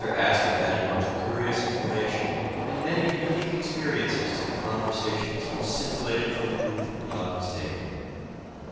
Astor added much curious information and many unique experiences to the conversations which scintil lated from the group about his table.